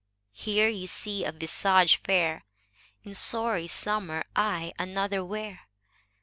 Here you see a visage fair, — In sorry summer I another wear!